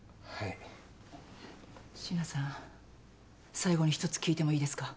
最後に１つ聞いてもいいですか？